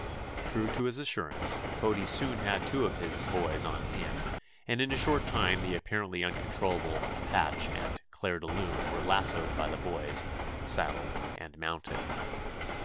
True to his assurance, Cody soon had two of his "boys" on hand, and in a short time the apparently uncontrollable "Appach" and "Clair de Lune" were lassoed by the "boys," saddled and mounted.